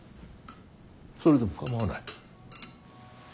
それでも構わない？